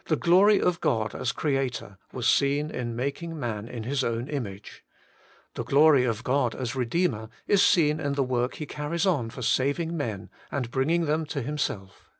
1. The glory of God as Creator was seen in His making man in His own image. The glory of God as Redeemer is seen in the work He car ries on for saving men, and bringing them to Himself.